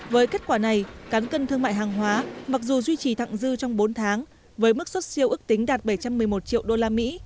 với kết quả này cán cân thương mại hàng hóa mặc dù duy trì thẳng dư trong bốn tháng với mức xuất siêu ước tính đạt bảy trăm một mươi một triệu đô la mỹ